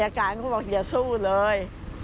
อาการก็บอกอย่าสู้เลย